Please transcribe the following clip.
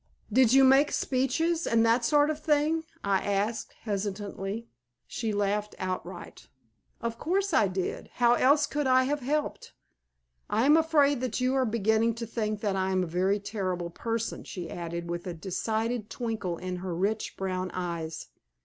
"Did you make speeches and that sort of thing?" I asked, hesitatingly. She laughed outright. "Of course I did. How else could I have helped? I am afraid that you are beginning to think that I am a very terrible person," she added, with a decided twinkle in her rich brown eyes.